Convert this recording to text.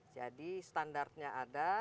jadi standarnya ada